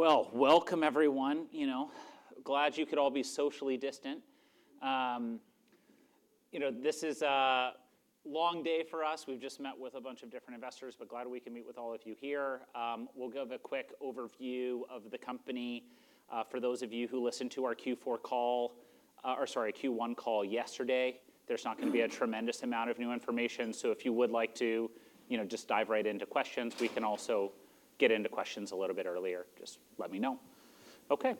Welcome everyone. You know, glad you could all be socially distant. You know, this is a long day for us. We've just met with a bunch of different investors, but glad we can meet with all of you here. We'll give a quick overview of the company. For those of you who listened to our Q4 call, or sorry, Q1 call yesterday, there's not gonna be a tremendous amount of new information. If you would like to, you know, just dive right into questions, we can also get into questions a little bit earlier. Just let me know. Okay.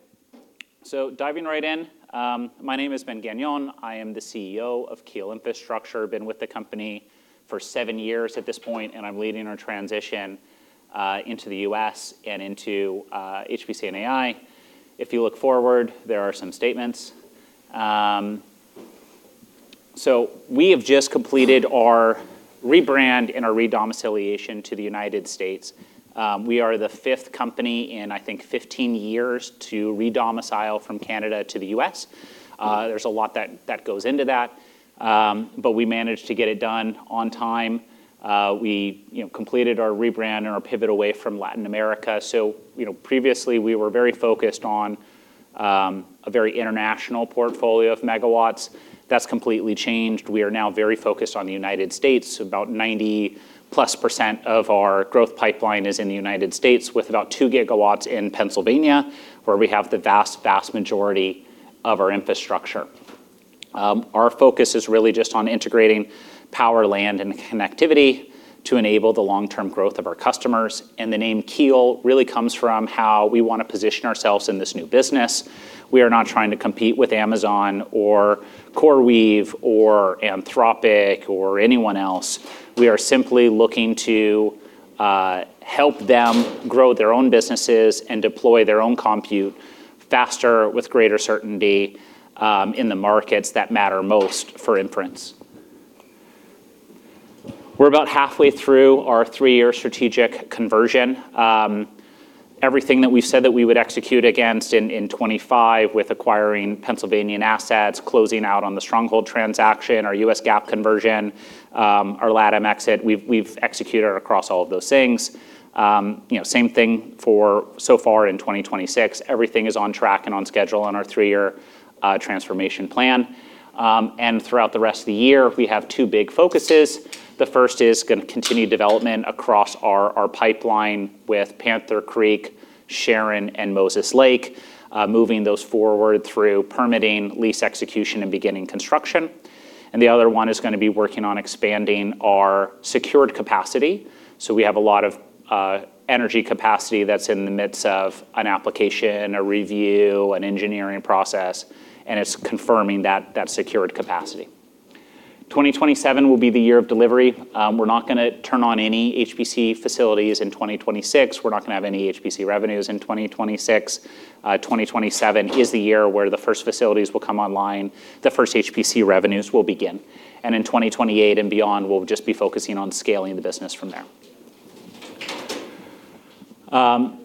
Diving right in, my name is Ben Gagnon. I am the CEO of Keel Infrastructure. Been with the company for seven years at this point, and I'm leading our transition into the US and into HPC and AI. If you look forward, there are some statements. We have just completed our rebrand and our redomiciliation to the United States. We are the fifth company in, I think, 15 years to redomicile from Canada to the US There's a lot that goes into that, but we managed to get it done on time. We, you know, completed our rebrand and our pivot away from Latin America. Previously, we were very focused on a very international portfolio of megawatts. That's completely changed. We are now very focused on the United States. About 90-plus% of our growth pipeline is in the United States, with about 2 GW in Pennsylvania, where we have the vast majority of our infrastructure. Our focus is really just on integrating power, land, and connectivity to enable the long-term growth of our customers. The name Keel really comes from how we want to position ourselves in this new business. We are not trying to compete with Amazon or CoreWeave or Anthropic or anyone else. We are simply looking to help them grow their own businesses and deploy their own compute faster, with greater certainty, in the markets that matter most for inference. We are about halfway through our 3-year strategic conversion. Everything that we have said that we would execute against in 2025 with acquiring Pennsylvania assets, closing out on the Stronghold transaction, our US GAAP conversion, our LATAM exit, we have executed across all of those things. You know, same thing for so far in 2026. Everything is on track and on schedule on our 3-year transformation plan. Throughout the rest of the year, we have two big focuses. The first is gonna continue development across our pipeline with Panther Creek, Sharon, and Moses Lake, moving those forward through permitting, lease execution, and beginning construction. The other one is gonna be working on expanding our secured capacity. We have a lot of energy capacity that's in the midst of an application, a review, an engineering process, and it's confirming that secured capacity. 2027 will be the year of delivery. We're not gonna turn on any HPC facilities in 2026. We're not gonna have any HPC revenues in 2026. 2027 is the year where the first facilities will come online, the first HPC revenues will begin. In 2028 and beyond, we'll just be focusing on scaling the business from there.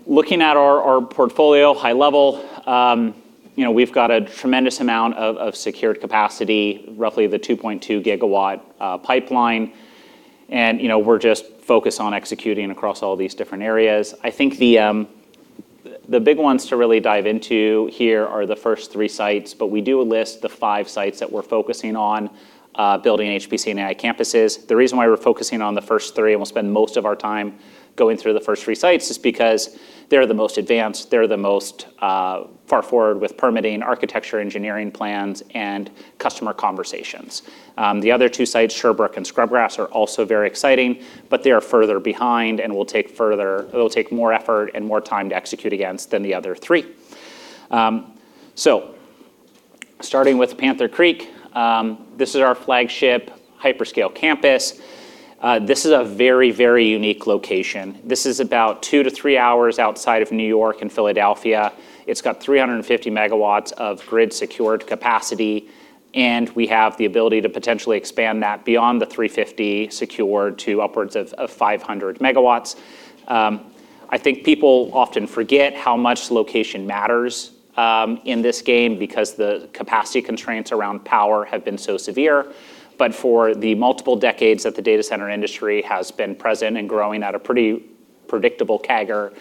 Looking at our portfolio high level, you know, we've got a tremendous amount of secured capacity, roughly the 2.2 GW pipeline. You know, we're just focused on executing across all these different areas. I think the big ones to really dive into here are the first three sites, but we do list the five sites that we're focusing on building HPC and AI campuses. The reason why we're focusing on the first three, and we'll spend most of our time going through the first three sites, is because they're the most advanced, they're the most far forward with permitting, architecture, engineering plans, and customer conversations. The other two sites, Sherbrooke and Scrubgrass, are also very exciting, but they are further behind and will take more effort and more time to execute against than the other three. Starting with Panther Creek, this is our flagship hyperscale campus. This is a very, very unique location. This is about two to three hours outside of New York and Philadelphia. It's got 350 MW of grid-secured capacity, and we have the ability to potentially expand that beyond the 350 secured to upwards of 500 MW. I think people often forget how much location matters in this game because the capacity constraints around power have been so severe. For the multiple decades that the data center industry has been present and growing at a pretty predictable CAGR,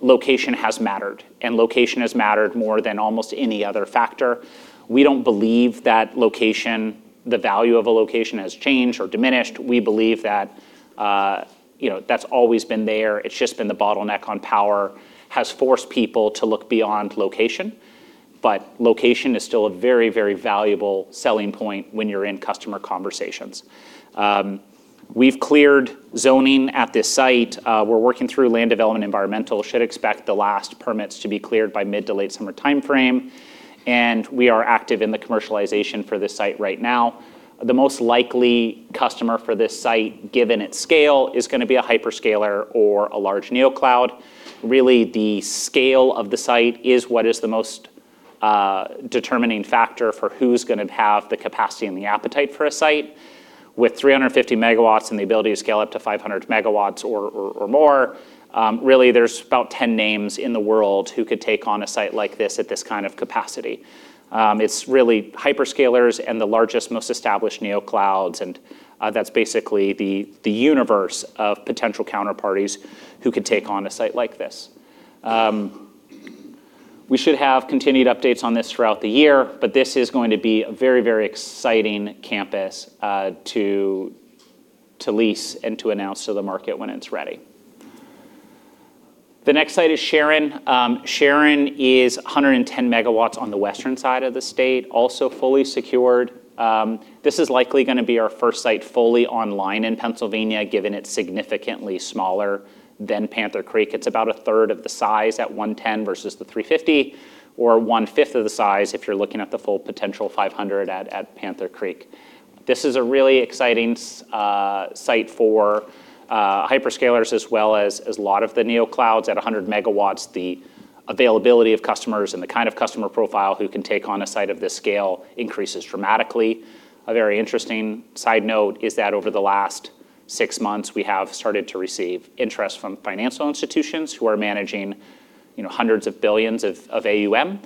location has mattered, and location has mattered more than almost any other factor. We don't believe that location, the value of a location, has changed or diminished. We believe that, you know, that's always been there. It's just been the bottleneck on power has forced people to look beyond location, but location is still a very, very valuable selling point when you're in customer conversations. We've cleared zoning at this site. We're working through land development environmental. We should expect the last permits to be cleared by mid to late summer timeframe. We are active in the commercialization for this site right now. The most likely customer for this site, given its scale, is going to be a hyperscaler or a large neocloud. Really, the scale of the site is what is the most determining factor for who's going to have the capacity and the appetite for a site. With 350 megawatts and the ability to scale up to 500 MWor more, really there's about 10 names in the world who could take on a site like this at this kind of capacity. It's really hyperscalers and the largest, most established neoclouds, and that's basically the universe of potential counterparties who could take on a site like this. We should have continued updates on this throughout the year, but this is going to be a very, very exciting campus to lease and to announce to the market when it's ready. The next site is Sharon. Sharon is 110 MW on the western side of the state, also fully secured. This is likely gonna be our first site fully online in Pennsylvania, given it's significantly smaller than Panther Creek. It's about a third of the size at 110 versus the 350 or one-fifth of the size if you're looking at the full potential 500 at Panther Creek. This is a really exciting site for hyperscalers as well as a lot of the neoclouds. At 100 MW, the availability of customers and the kind of customer profile who can take on a site of this scale increases dramatically. A very interesting side note is that over the last six months, we have started to receive interest from financial institutions who are managing, you know, hundreds of billions of AUM,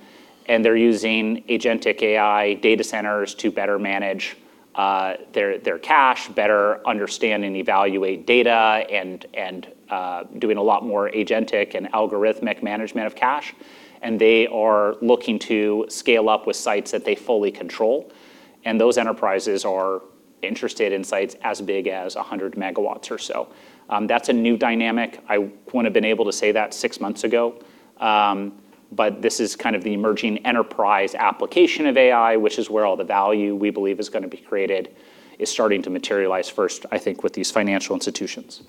and they're using Agentic AI data centers to better manage their cash, better understand and evaluate data and doing a lot more Agentic and algorithmic management of cash. They are looking to scale up with sites that they fully control, and those enterprises are interested in sites as big as 100 MW or so. That's a new dynamic. I wouldn't have been able to say that six months ago, but this is kind of the emerging enterprise application of AI, which is where all the value we believe is gonna be created, is starting to materialize first, I think, with these financial institutions.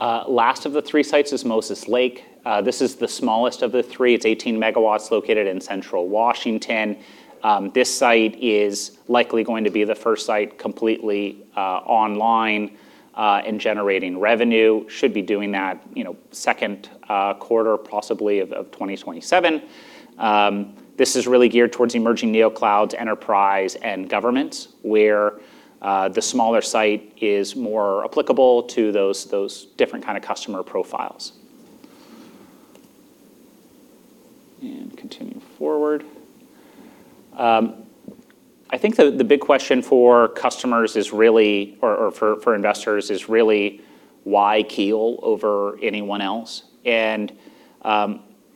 Last of the three sites is Moses Lake. This is the smallest of the three. It's 18 MW located in central Washington. This site is likely going to be the first site completely online and generating revenue. Should be doing that, you know, 2nd quarter possibly of 2027. This is really geared towards emerging neoclouds, enterprise and government, where the smaller site is more applicable to those different kinda customer profiles. Continue forward. I think the big question for customers or for investors is really why Keel over anyone else?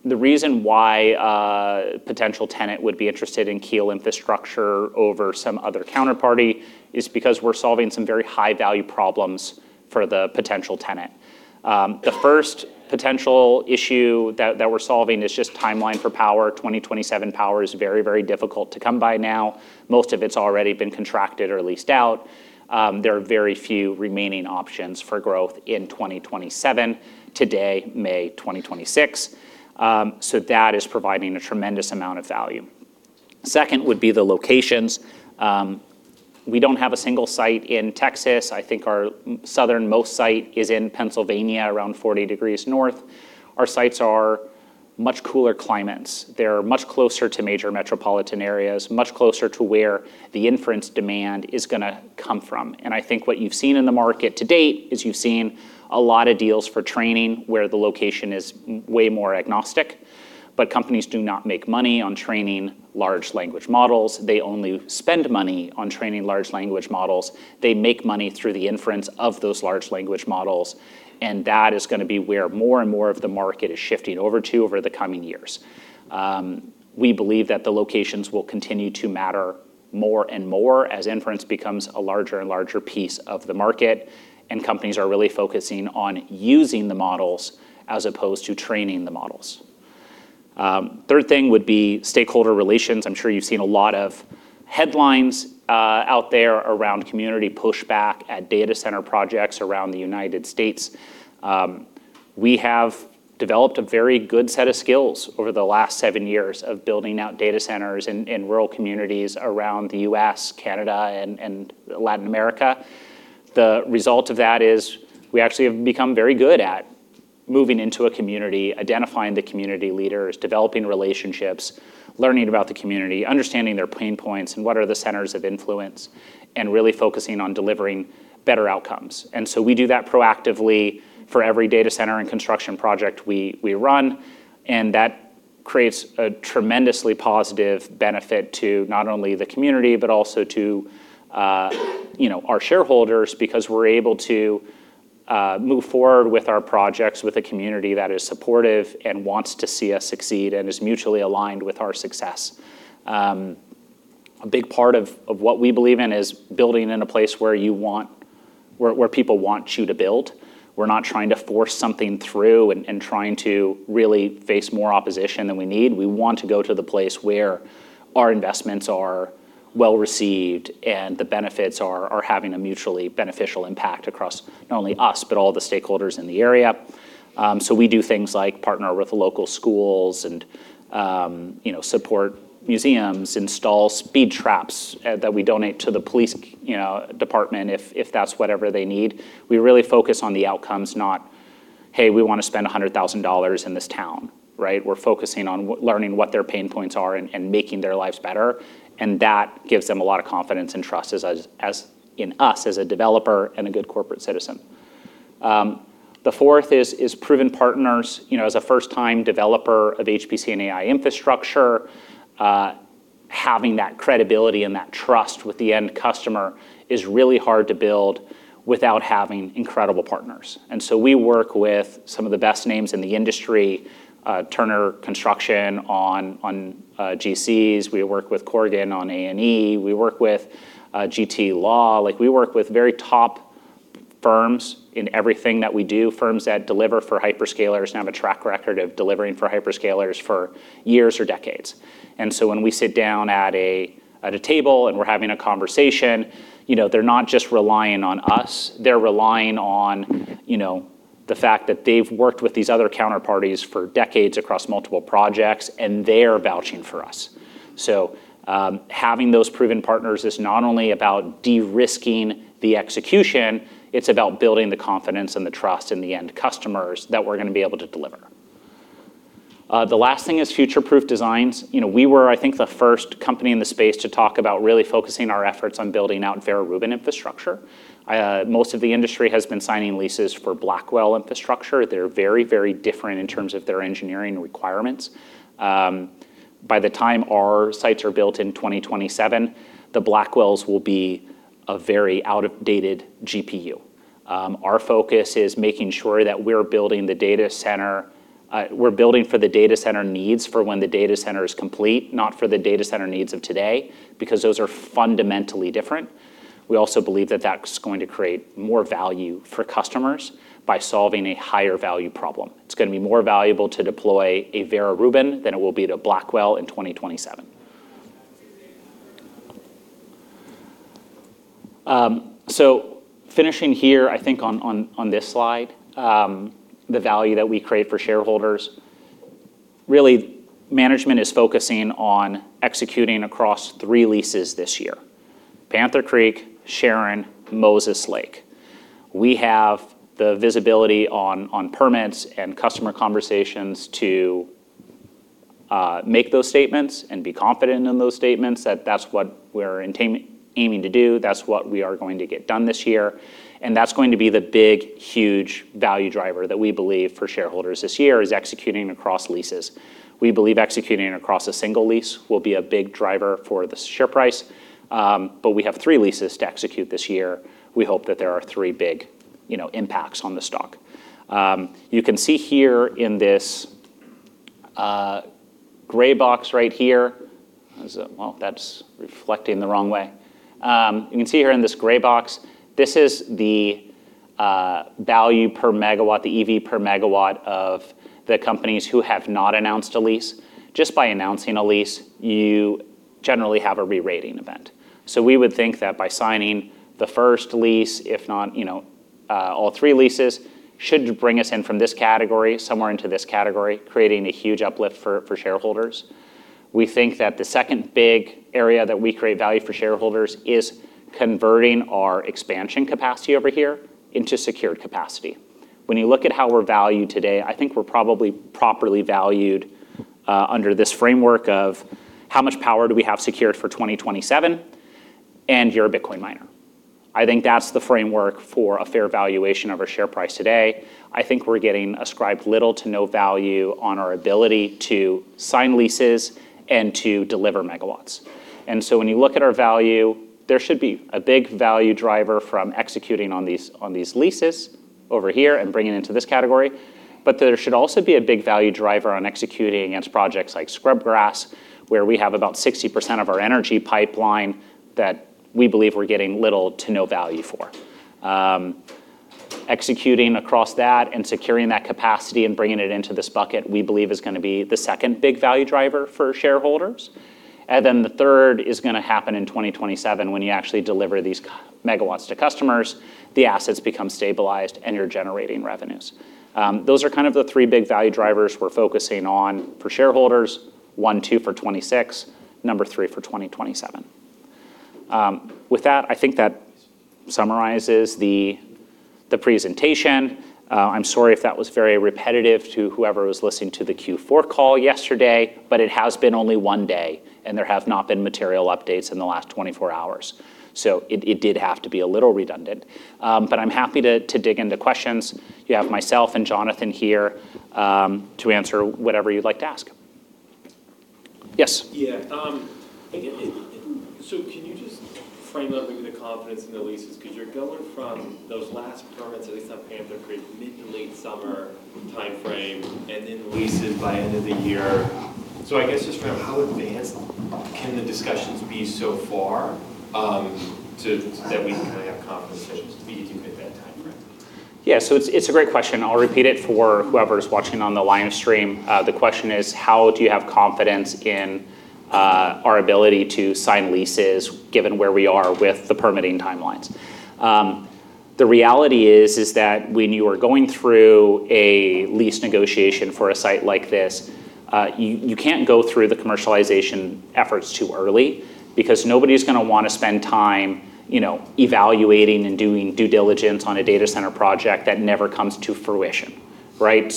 The reason why a potential tenant would be interested in Keel Infrastructure over some other counterparty is because we're solving some very high-value problems for the potential tenant. The first potential issue that we're solving is just timeline for power. 2027 power is very difficult to come by now. Most of it's already been contracted or leased out. There are very few remaining options for growth in 2027, today, May 2026. That is providing a tremendous amount of value. Second would be the locations. We don't have a single site in Texas. I think our southernmost site is in Pennsylvania, around 40 ° north. Our sites are much cooler climates. They're much closer to major metropolitan areas, much closer to where the inference demand is gonna come from. I think what you've seen in the market to date is you've seen a lot of deals for training where the location is way more agnostic. Companies do not make money on training large language models. They only spend money on training large language models. They make money through the inference of those large language models, and that is gonna be where more and more of the market is shifting over to over the coming years. We believe that the locations will continue to matter more and more as inference becomes a larger and larger piece of the market and companies are really focusing on using the models as opposed to training the models. Third thing would be stakeholder relations. I'm sure you've seen a lot of headlines out there around community pushback at data center projects around the United States. We have developed a very good set of skills over the last seven years of building out data centers in rural communities around the US, Canada, and Latin America. The result of that is we actually have become very good at moving into a community, identifying the community leaders, developing relationships, learning about the community, understanding their pain points and what are the centers of influence, and really focusing on delivering better outcomes. We do that proactively for every data center and construction project we run, and that creates a tremendously positive benefit to not only the community, but also to, you know, our shareholders because we're able to move forward with our projects with a community that is supportive and wants to see us succeed and is mutually aligned with our success. A big part of what we believe in is building in a place where people want you to build. We're not trying to force something through and trying to really face more opposition than we need. We want to go to the place where our investments are well-received and the benefits are having a mutually beneficial impact across not only us, but all the stakeholders in the area. We do things like partner with local schools and, you know, support museums, install speed traps that we donate to the police department if that's whatever they need. We really focus on the outcomes, not, "Hey, we wanna spend $100,000 in this town." Right? We're focusing on learning what their pain points are and making their lives better, and that gives them a lot of confidence and trust as in us as a developer and a good corporate citizen. The 4th is proven partners. You know, as a first-time developer of HPC and AI infrastructure, Having that credibility and that trust with the end customer is really hard to build without having incredible partners. We work with some of the best names in the industry, Turner Construction on GCs. We work with Corgan on A&E. We work with GT Law. Like, we work with very top firms in everything that we do, firms that deliver for hyperscalers and have a track record of delivering for hyperscalers for years or decades. When we sit down at a table and we're having a conversation, you know, they're not just relying on us, they're relying on, you know, the fact that they've worked with these other counterparties for decades across multiple projects, and they're vouching for us. Having those proven partners is not only about de-risking the execution, it's about building the confidence and the trust in the end customers that we're gonna be able to deliver. The last thing is future-proof designs. You know, we were, I think, the first company in the space to talk about really focusing our efforts on building out Vera Rubin infrastructure. Most of the industry has been signing leases for Blackwell infrastructure. They're very, very different in terms of their engineering requirements. By the time our sites are built in 2027, the Blackwells will be a very outdated GPU. Our focus is making sure that we're building for the data center needs for when the data center is complete, not for the data center needs of today, because those are fundamentally different. We also believe that that's going to create more value for customers by solving a higher value problem. It's gonna be more valuable to deploy a Vera Rubin than it will be to Blackwell in 2027. Finishing here, I think, on this slide, the value that we create for shareholders. Really, management is focusing on executing across three leases this year: Panther Creek, Sharon, Moses Lake. We have the visibility on permits and customer conversations to make those statements and be confident in those statements that that's what we're aiming to do. That's what we are going to get done this year, that's going to be the big, huge value driver that we believe for shareholders this year, is executing across leases. We believe executing across a single lease will be a big driver for the share price. We have three leases to execute this year. We hope that there are three big, you know, impacts on the stock. You can see here in this gray box right here. Well, that's reflecting the wrong way. You can see here in this gray box, this is the value per megawatt, the EV per megawatt of the companies who have not announced a lease. Just by announcing a lease, you generally have a re-rating event. We would think that by signing the first lease, if not, you know, all three leases, should bring us in from this category somewhere into this category, creating a huge uplift for shareholders. We think that the second big area that we create value for shareholders is converting our expansion capacity over here into secured capacity. When you look at how we're valued today, I think we're probably properly valued under this framework of how much power do we have secured for 2027 and you're a Bitcoin miner. I think that's the framework for a fair valuation of our share price today. I think we're getting ascribed little to no value on our ability to sign leases and to deliver megawatts. When you look at our value, there should be a big value driver from executing on these leases over here and bringing into this category. There should also be a big value driver on executing against projects like Scrubgrass, where we have about 60% of our energy pipeline that we believe we're getting little to no value for. Executing across that and securing that capacity and bringing it into this bucket, we believe is gonna be the second big value driver for shareholders. The third is going to happen in 2027 when you actually deliver these megawatts to customers, the assets become stabilized, and you're generating revenues. Those are kind of the 3 big value drivers we're focusing on for shareholders. One, two for 26. Number 3 for 2027. With that, I think that summarizes the presentation. I'm sorry if that was very repetitive to whoever was listening to the Q4 call yesterday, it has been only one day, and there have not been material updates in the last 24 hours. It did have to be a little redundant. I'm happy to dig into questions. You have myself and Jonathan here to answer whatever you'd like to ask. Yes. Yeah. Again, can you just frame out maybe the confidence in the leases? Because you're going from those last permits, at least on Panther Creek, mid to late summer timeframe, and then leases by end of the year. I guess just frame how advanced can the discussions be so far, that we can have confidence that it's going to be hitting mid that timeframe? Yeah. It's a great question. I'll repeat it for whoever's watching on the live stream. The question is, how do you have confidence in our ability to sign leases given where we are with the permitting timelines? The reality is that when you are going through a lease negotiation for a site like this, you can't go through the commercialization efforts too early because nobody's gonna wanna spend time, you know, evaluating and doing due diligence on a data center project that never comes to fruition, right?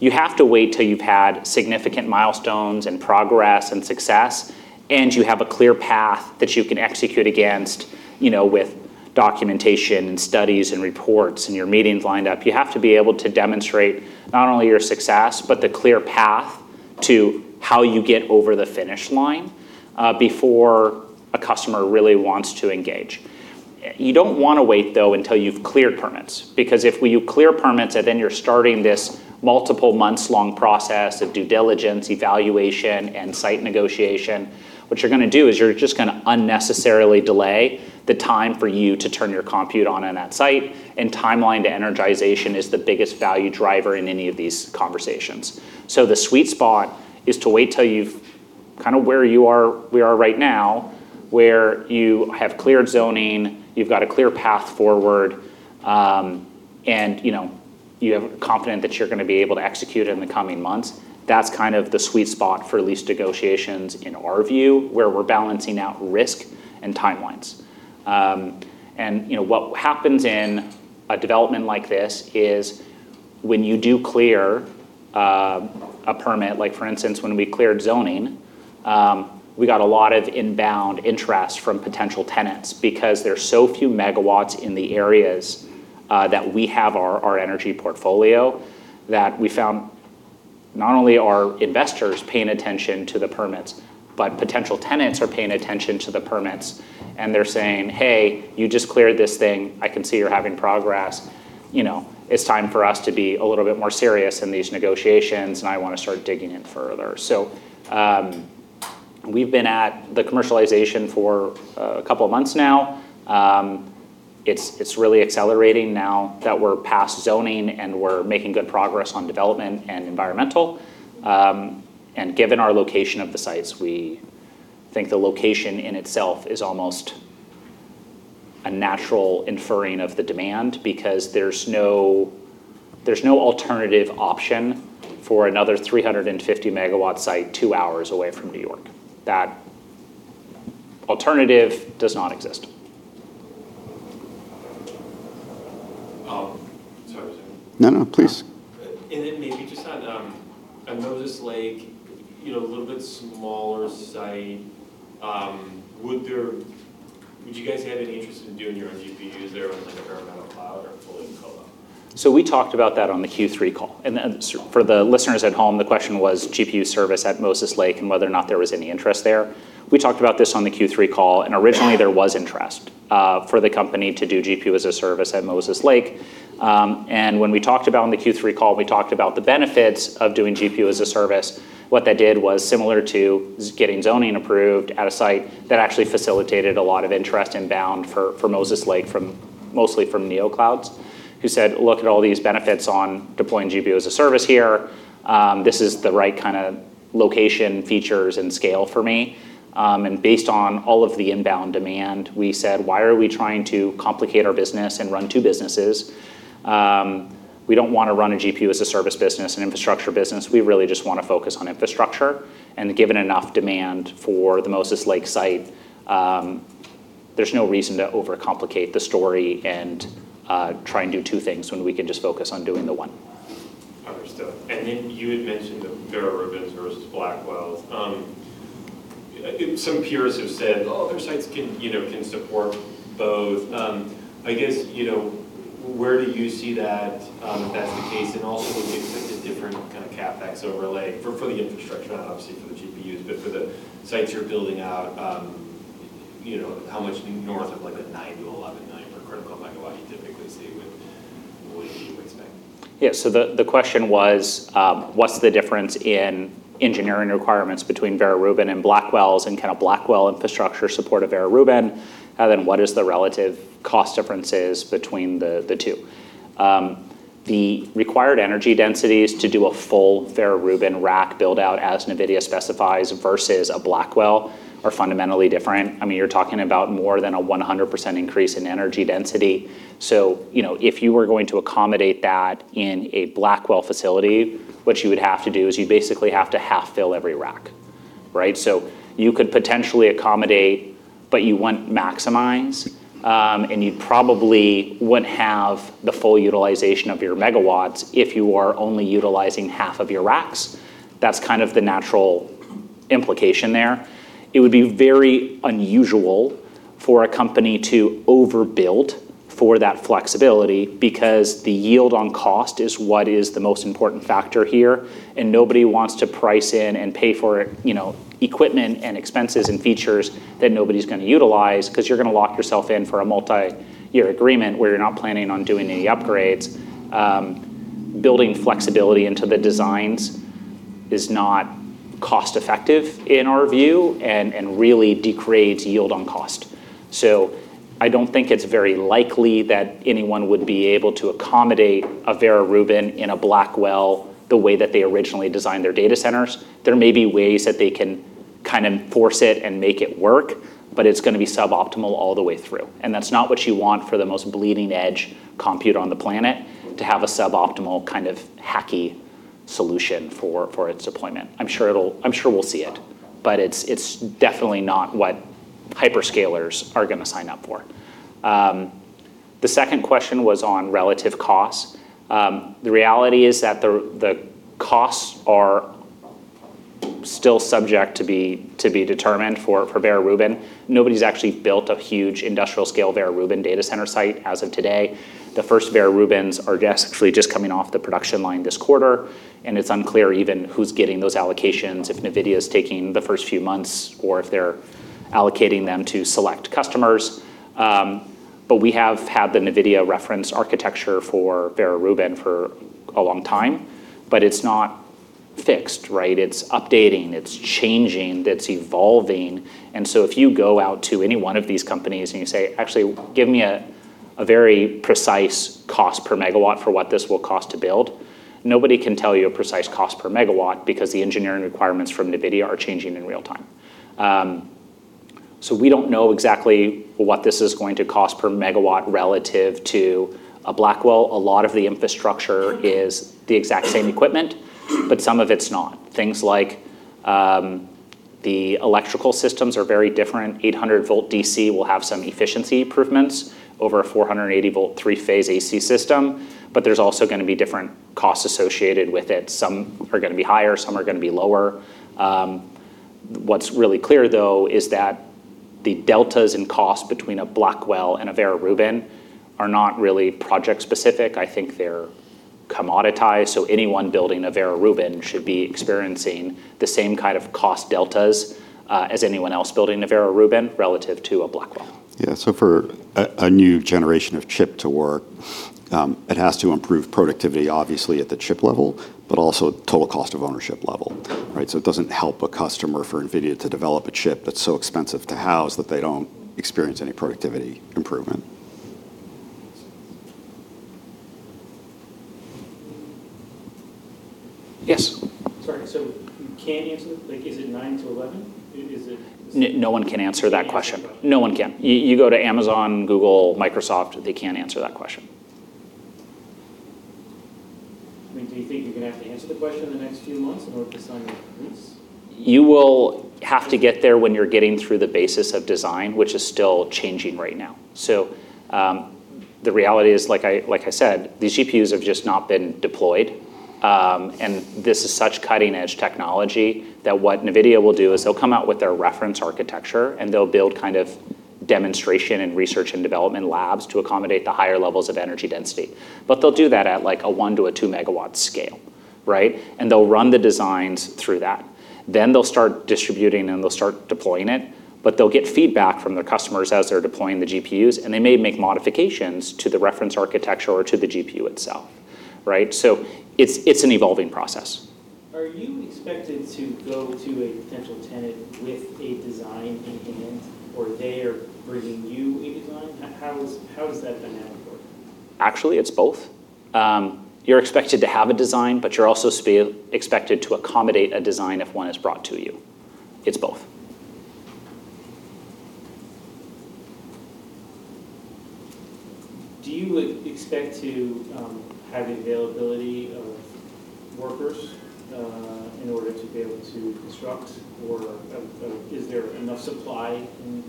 You have to wait till you've had significant milestones and progress and success, and you have a clear path that you can execute against, you know, with documentation and studies and reports and your meetings lined up. You have to be able to demonstrate not only your success, but the clear path to how you get over the finish line, before a customer really wants to engage. You don't want to wait though until you've cleared permits because if you clear permits and then you're starting this multiple months long process of due diligence, evaluation, and site negotiation, what you're going to do is you're just going to unnecessarily delay the time for you to turn your compute on in that site and timeline to energization is the biggest value driver in any of these conversations. The sweet spot is to wait till you've kind of where you are, we are right now, where you have cleared zoning, you've got a clear path forward, and you know, you have confident that you're going to be able to execute in the coming months. That's kind of the sweet spot for lease negotiations in our view, where we're balancing out risk and timelines. You know, what happens in a development like this is when you do clear a permit, like for instance, when we cleared zoning, we got a lot of inbound interest from potential tenants because there are so few megawatts in the areas that we have our energy portfolio that we found not only are investors paying attention to the permits, but potential tenants are paying attention to the permits and they're saying, "Hey, you just cleared this thing. I can see you're having progress. You know, it's time for us to be a little bit more serious in these negotiations and I want to start digging in further." We've been at the commercialization for a couple of months now. It's really accelerating now that we're past zoning and we're making good progress on development and environmental. Given our location of the sites, we think the location in itself is almost a natural inferring of the demand because there's no alternative option for another 350 MW site 2 hours away from New York. That alternative does not exist. Sorry. No, no, please. Maybe just on, I noticed like, you know, a little bit smaller site, would there, would you guys have any interest in doing your own GPUs there on like an environmental cloud or fully in colo? We talked about that on the Q3 call. For the listeners at home, the question was GPU service at Moses Lake and whether or not there was any interest there. We talked about this on the Q3 call originally there was interest for the company to do GPU as a Service at Moses Lake. When we talked about on the Q3 call, we talked about the benefits of doing GPU as a Service. What that did was similar to getting zoning approved at a site that actually facilitated a lot of interest inbound for Moses Lake from mostly from neoclouds who said, "Look at all these benefits on deploying GPU as a Service here. This is the right kind of location features and scale for me." Based on all of the inbound demand, we said, "Why are we trying to complicate our business and run two businesses?" We don't want to run a GPU as a Service business and infrastructure business. We really just want to focus on infrastructure and given enough demand for the Moses Lake site, there's no reason to overcomplicate the story and try and do two things when we can just focus on doing the one. Understood. You had mentioned the Vera Rubin versus Blackwell. Some purists have said other sites can support both. I guess, where do you see that, if that's the case? Would you expect a different kind of CapEx overlay for the infrastructure, obviously for the GPUs, but for the sites you're building out, how much north of like a $9 to $11 9 per critical MW you typically see with what you would expect? Yeah. The question was, what's the difference in engineering requirements between Vera Rubin and Blackwell and can a Blackwell infrastructure support a Vera Rubin? What is the relative cost differences between the two? The required energy densities to do a full Vera Rubin rack build out as Nvidia specifies versus a Blackwell are fundamentally different. I mean, you're talking about more than a 100% increase in energy density. You know, if you were going to accommodate that in a Blackwell facility, what you would have to do is you basically have to half fill every rack, right? You could potentially accommodate, but you wouldn't maximize. And you probably wouldn't have the full utilization of your megawatts if you are only utilizing half of your racks. That's kind of the natural implication there. It would be very unusual for a company to overbuild for that flexibility because the yield on cost is what is the most important factor here. Nobody wants to price in and pay for, you know, equipment and expenses and features that nobody's going to utilize because you're going to lock yourself in for a multi-year agreement where you're not planning on doing any upgrades. Building flexibility into the designs is not cost effective in our view and really degrades yield on cost. I don't think it's very likely that anyone would be able to accommodate a Vera Rubin in a Blackwell the way that they originally designed their data centers. There may be ways that they can kind of force it and make it work, but it's going to be suboptimal all the way through. That's not what you want for the most bleeding edge compute on the planet to have a suboptimal kind of hacky solution for its deployment. I'm sure we'll see it, but it's definitely not what hyperscalers are going to sign up for. The second question was on relative costs. The reality is that the costs are still subject to be determined for Vera Rubin. Nobody's actually built a huge industrial scale Vera Rubin data center site as of today. The first Vera Rubins are actually just coming off the production line this quarter, and it's unclear even who's getting those allocations, if Nvidia is taking the first few months or if they're allocating them to select customers. We have had the Nvidia reference architecture for Vera Rubin for a long time, but it's not fixed, right? It's updating, it's changing, it's evolving. If you go out to any one of these companies and you say, "Actually, give me a very precise cost per megawatt for what this will cost to build," nobody can tell you a precise cost per megawatt because the engineering requirements from Nvidia are changing in real time. We don't know exactly what this is going to cost per megawatt relative to a Blackwell. A lot of the infrastructure is the exact same equipment, but some of it's not. Things like the electrical systems are very different. 800 volt DC will have some efficiency improvements over a 480 volt three-phase AC system, but there's also gonna be different costs associated with it. Some are gonna be higher, some are gonna be lower. What's really clear though is that the deltas in cost between a Blackwell and a Vera Rubin are not really project specific. I think they're commoditized. Anyone building a Vera Rubin should be experiencing the same kind of cost deltas as anyone else building a Vera Rubin relative to a Blackwell. Yeah. For a new generation of chip to work, it has to improve productivity obviously at the chip level, but also total cost of ownership level, right? It doesn't help a customer for Nvidia to develop a chip that's so expensive to house that they don't experience any productivity improvement. Yes. Sorry. You can't answer? Like, is it nine to 11? No one can answer that question. Can't answer. No one can. You go to Amazon, Google, Microsoft, they can't answer that question. I mean, do you think you're gonna have to answer the question in the next few months in order to sign new agreements? You will have to get there when you're getting through the basis of design, which is still changing right now. The reality is, like I said, these GPUs have just not been deployed. This is such cutting edge technology that what Nvidia will do is they'll come out with their reference architecture and they'll build kind of demonstration and research and development labs to accommodate the higher levels of energy density. They'll do that at like a one to a two MW scale, right? They'll run the designs through that. They'll start distributing and they'll start deploying it, but they'll get feedback from their customers as they're deploying the GPUs, and they may make modifications to the reference architecture or to the GPU itself, right? It's an evolving process. Are you expected to go to a potential tenant with a design in hand, or they are bringing you a design? How does that dynamic work? Actually, it's both. You're expected to have a design, but you're also expected to accommodate a design if one is brought to you. It's both. Do you expect to have availability of workers in order to be able to construct? Or is there enough supply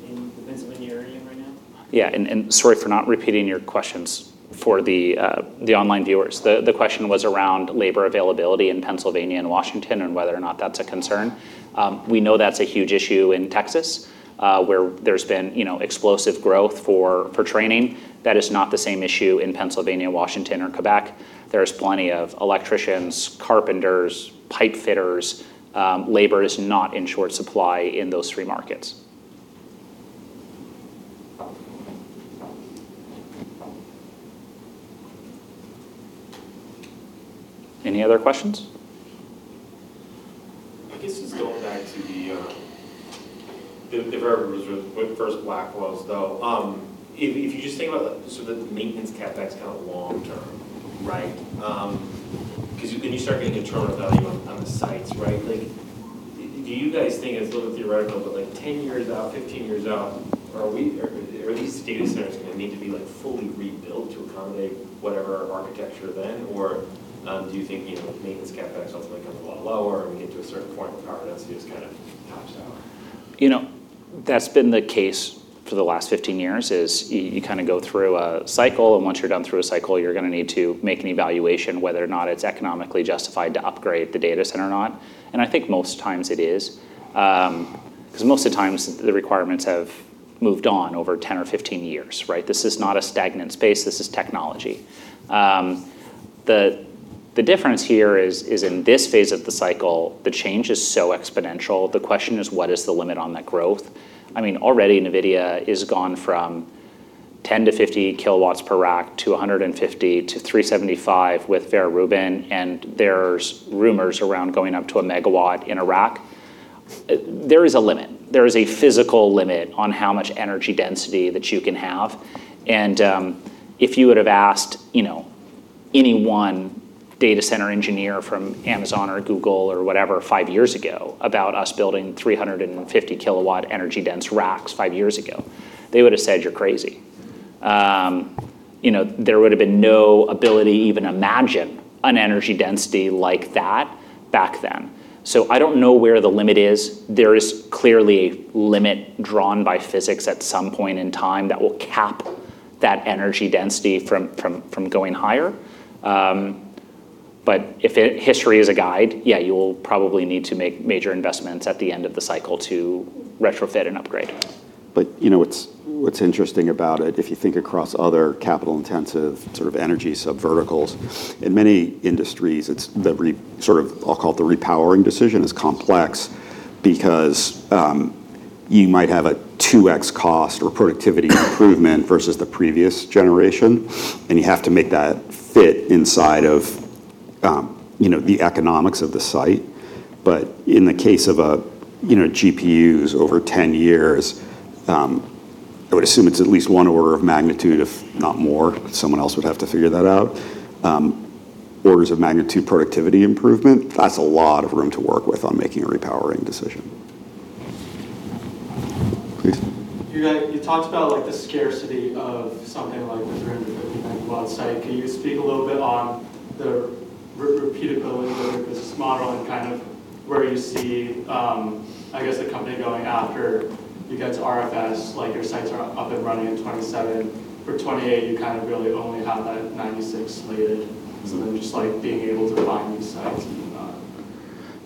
in the Pennsylvania area right now? Yeah. Sorry for not repeating your questions for the online viewers. The question was around labor availability in Pennsylvania and Washington, and whether or not that's a concern. We know that's a huge issue in Texas, where there's been, you know, explosive growth for training. That is not the same issue in Pennsylvania, Washington, or Quebec. There's plenty of electricians, carpenters, pipe fitters. Labor is not in short supply in those three markets. Any other questions? I guess this is going back to the Vera Rubin with first Blackwell, though. If you just think about the sort of the maintenance CapEx kind of long term, right? Then you start getting return of value on the sites, right? Like, do you guys think it's a little theoretical, but like 10 years out, 15 years out, are these data centers gonna need to be, like, fully rebuilt to accommodate whatever architecture then? Do you think, you know, maintenance CapEx ultimately comes a lot lower and we get to a certain point where power density is kind of patched out? You know, that's been the case for the last 15 years, is you kind of go through a cycle, and once you're done through a cycle, you're gonna need to make an evaluation whether or not it's economically justified to upgrade the data center or not. I think most times it is. 'Cause most of the times the requirements have moved on over 10 or 15 years, right? This is not a stagnant space. This is technology. The difference here is in this phase of the cycle, the change is so exponential. The question is, what is the limit on that growth? I mean, already Nvidia is gone from 10 to 50 kW per rack to 150 to 375 with Vera Rubin, and there's rumors around going up to a 1 MW in a rack. There is a limit. There is a physical limit on how much energy density that you can have. If you would've asked, you know, any one data center engineer from Amazon or Google or whatever five years ago about us building 350 kW energy dense racks five years ago, they would've said, "You're crazy." You know, there would've been no ability to even imagine an energy density like that back then. I don't know where the limit is. There is clearly a limit drawn by physics at some point in time that will cap that energy density from going higher. If history is a guide, yeah, you'll probably need to make major investments at the end of the cycle to retrofit and upgrade. you know, what's interesting about it, if you think across other capital intensive sort of energy subverticals, in many industries, it's sort of, I'll call it the repowering decision, is complex. Because, you might have a 2x cost or productivity improvement versus the previous generation, and you have to make that fit inside of, you know, the economics of the site. In the case of, you know, GPUs over 10 years, I would assume it's at least one order of magnitude, if not more. Someone else would have to figure that out. Orders of magnitude productivity improvement, that's a lot of room to work with on making a repowering decision. Please. You guys, you talked about, like, the scarcity of something like the 350 MW site. Can you speak a little bit on the repeatability of the business model and kind of where you see, I guess the company going after you get to RFPs? Like, your sites are up and running in 2027. For 2028, you kind of really only have that 96 slated. Yeah.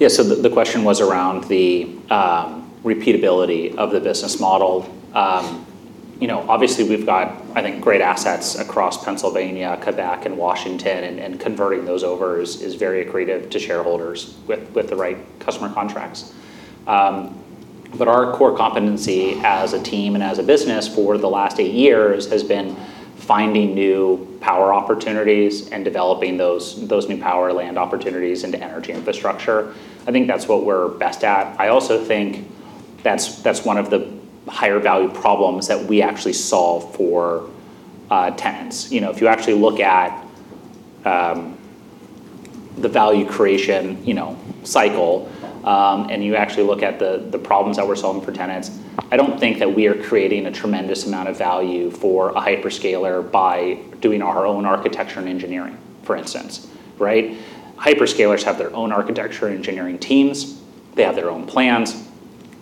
The, the question was around the repeatability of the business model. You know, obviously we've got, I think, great assets across Pennsylvania, Quebec, and Washington, and converting those over is very accretive to shareholders with the right customer contracts. Our core competency as a team and as a business for the last eight years has been finding new power opportunities and developing those new power land opportunities into energy infrastructure. I think that's what we're best at. I also think that's one of the higher value problems that we actually solve for tenants. You know, if you actually look at, the value creation, you know, cycle, you actually look at the problems that we're solving for tenants, I don't think that we are creating a tremendous amount of value for a hyperscaler by doing our own architecture and engineering, for instance. Right? Hyperscalers have their own architecture and engineering teams. They have their own plans.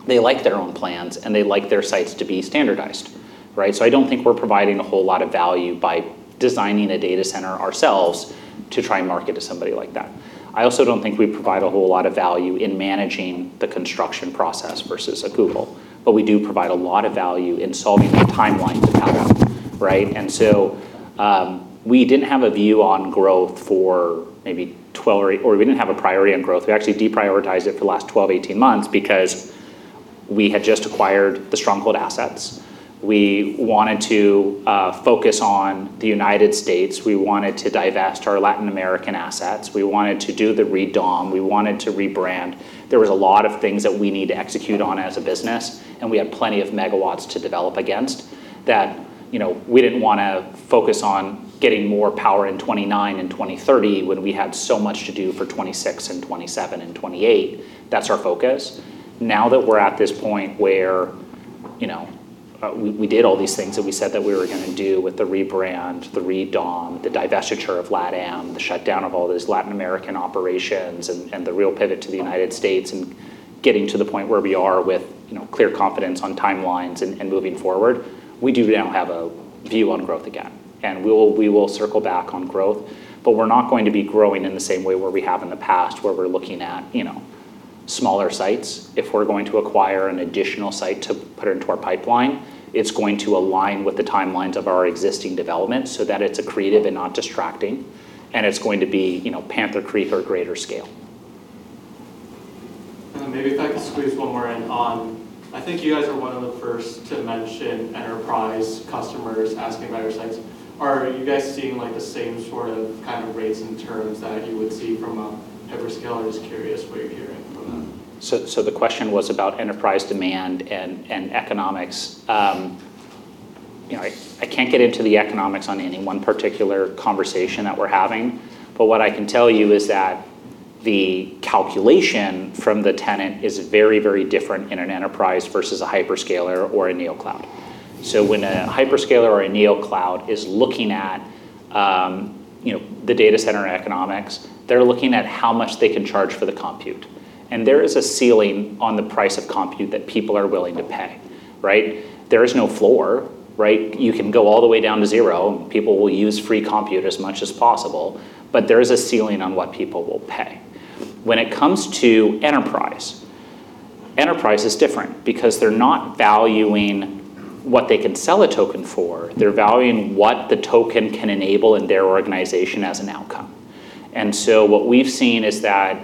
They like their own plans, and they like their sites to be standardized, right? I don't think we're providing a whole lot of value by designing a data center ourselves to try and market to somebody like that. I also don't think we provide a whole lot of value in managing the construction process versus a Google, but we do provide a lot of value in solving the timelines of that, right? We didn't have a priority on growth. We actually deprioritized it for the last 12, 18 months because we had just acquired the Stronghold assets. We wanted to focus on the US We wanted to divest our Latin American assets. We wanted to do the redomiciliation. We wanted to rebrand. There was a lot of things that we need to execute on as a business, and we had plenty of megawatts to develop against that, you know, we didn't wanna focus on getting more power in 2029 and 2030 when we had so much to do for 2026 and 2027 and 2028. That's our focus. Now that we're at this point where, you know, we did all these things that we said that we were gonna do with the rebrand, the redomiciliation, the divestiture of LatAm, the shutdown of all those Latin American operations, and the real pivot to the United States, and getting to the point where we are with, you know, clear confidence on timelines and moving forward, we do now have a view on growth again, and we will circle back on growth. We're not going to be growing in the same way where we have in the past, where we're looking at, you know, smaller sites. If we're going to acquire an additional site to put into our pipeline, it's going to align with the timelines of our existing development so that it's accretive and not distracting, and it's going to be, you know, Panther Creek or greater scale. Maybe if I could squeeze one more in on I think you guys are one of the first to mention enterprise customers asking about your sites. Are you guys seeing, like, the same sort of kind of rates and terms that you would see from a hyperscaler? Just curious what you're hearing from them. The question was about enterprise demand and economics. You know, I can't get into the economics on any one particular conversation that we're having, but what I can tell you is that the calculation from the tenant is very different in an enterprise versus a hyperscaler or a neocloud. When a hyperscaler or a neocloud is looking at, you know, the data center economics, they're looking at how much they can charge for the compute. There is a ceiling on the price of compute that people are willing to pay, right? There is no floor, right? You can go all the way down to zero. People will use free compute as much as possible, but there is a ceiling on what people will pay. When it comes to enterprise is different because they're not valuing what they can sell a token for. They're valuing what the token can enable in their organization as an outcome. What we've seen is that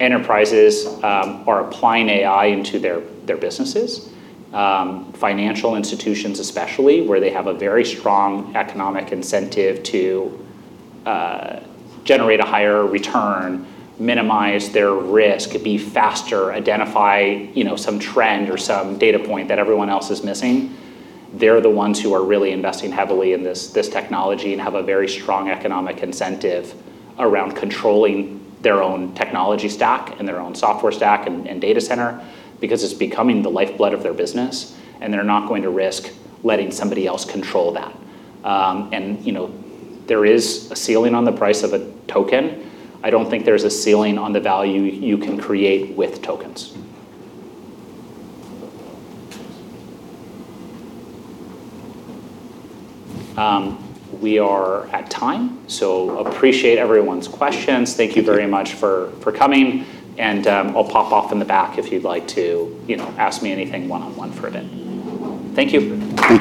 enterprises are applying AI into their businesses, financial institutions especially, where they have a very strong economic incentive to generate a higher return, minimize their risk, be faster, identify, you know, some trend or some data point that everyone else is missing. They're the ones who are really investing heavily in this technology and have a very strong economic incentive around controlling their own technology stack and their own software stack and data center because it's becoming the lifeblood of their business, and they're not going to risk letting somebody else control that. You know, there is a ceiling on the price of a token. I don't think there's a ceiling on the value you can create with tokens. We are at time, appreciate everyone's questions. Thank you very much for coming, I'll pop off in the back if you'd like to, you know, ask me anything one on one for a bit. Thank you.